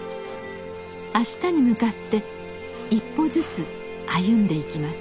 あしたに向かって一歩ずつ歩んでいきます。